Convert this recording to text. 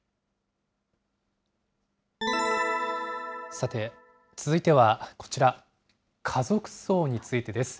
さて、続いてはこちら、家族葬についてです。